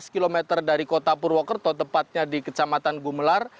lima belas km dari kota purwokerto tepatnya di kecamatan gumelar